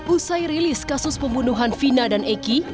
usai rilis kasus pembunuhan vina dan eki